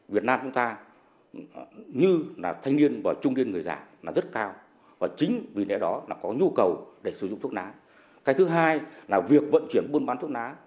vẫn bất chấp coi thường pháp luật